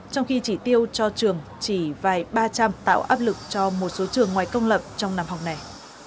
trong khi chỉ tiêu cho trường chỉ vài ba trăm linh tạo áp lực cho một số trường ngoài công lập trong năm học này